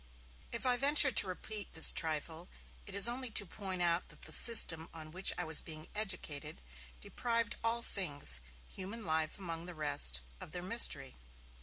If I venture to repeat this trifle, it is only to point out that the system on which I was being educated deprived all things, human life among the rest, of their mystery.